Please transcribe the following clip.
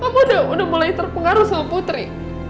kamu kamu udah mulai terpengaruh sama putri